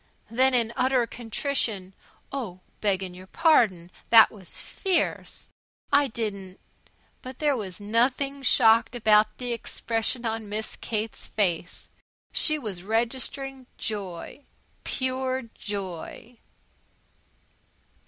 Then in utter contrition: "Oh, beggin' your pardon! That was fierce! I didn't " But there was nothing shocked about the expression on Miss Kate's face. She was registering joy pure joy.